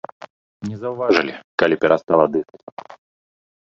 Не заўважылі, калі перастала дыхаць.